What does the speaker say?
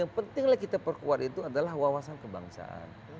yang pentinglah kita perkuat itu adalah wawasan kebangsaan